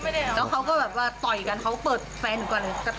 แล้วเขาก็แบบว่าต่อยกันเขาเปิดแฟนหนูก่อน